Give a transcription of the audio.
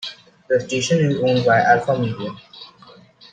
The station is owned by Alpha Media.